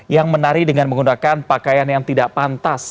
yang menari dengan menggunakan pakaian yang tidak pantas